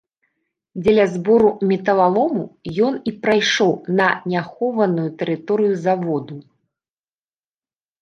Дзеля збору металалому ён і прайшоў на неахоўваную тэрыторыю заводу.